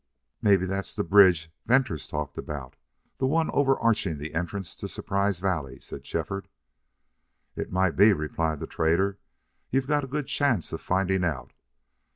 "Maybe that's the bridge Venters talked about the one overarching the entrance to Surprise Valley," Said Shefford. "It might be," replied the trader. "You've got a good chance of finding out.